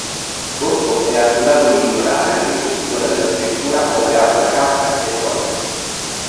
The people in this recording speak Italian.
Bosco è accusato di ignorare la rivoluzione della scrittura operata da Kafka e Joyce.